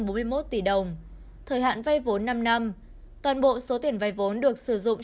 thời hạn vay vốn năm năm toàn bộ số tiền vay vốn được sử dụng